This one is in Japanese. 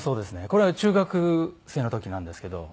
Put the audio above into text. これは中学生の時なんですけど。